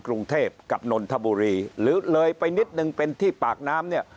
กรุงเทพกับนนทบุรีหรือเลยไปนิดนึงเป็นที่ปากน้ำเนี่ย